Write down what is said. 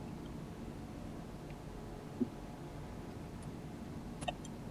Colonel Kleingeld said at the Cillie Commission that Hastings 'was inciting the crowd'.